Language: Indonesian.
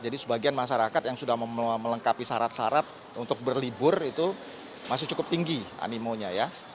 jadi sebagian masyarakat yang sudah melengkapi syarat syarat untuk berlibur itu masih cukup tinggi animonya ya